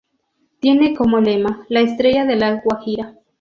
Tiene como lema: "La Estrella de La Guajira".